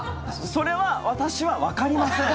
それは私はわかりません！